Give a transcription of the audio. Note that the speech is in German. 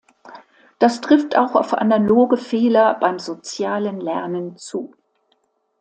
Das trifft auch auf analoge Fehler beim „sozialen Lernen“ zu.